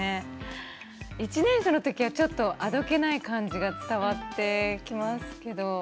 １年生のときはちょっとあどけない感じが伝わってきますけど。